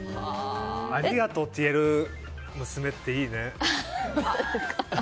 ありがとうって言える娘っていいね。